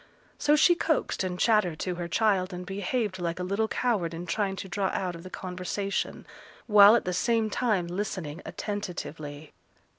So she coaxed and chattered to her child and behaved like a little coward in trying to draw out of the conversation, while at the same time listening attentively.